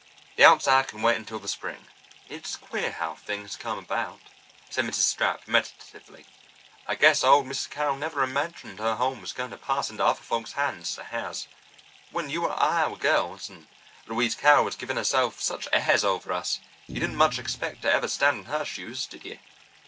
The outside can wait until the spring." "It's queer how things come about," said Mrs. Stapp meditatively. "I guess old Mrs. Carroll never imagined her home was going to pass into other folks' hands as it has. When you and I were girls, and Louise Carroll was giving herself such airs over us, you didn't much expect to ever stand in her shoes, did you?